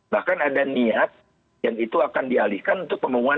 bahkan ada niat yang itu akan dialihkan untuk pembangunan